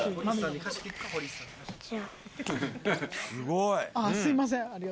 すごい！